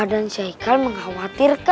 aduh bang iman cari bantuan kita ya